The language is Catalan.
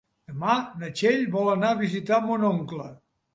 Demà na Txell vol anar a visitar mon oncle.